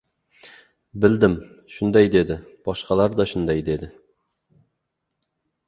— Bildim, shunday dedi. Boshqalar-da shunday dedi.